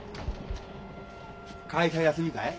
会社休みかい？